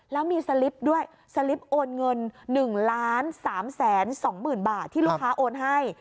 แล้วมีสลิปด้วยสลิปโอนเงิน๑ล้าน๓แสน๒หมื่นบาทที่ลูกค้าโอนให้